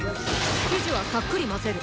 生地はさっくり混ぜる。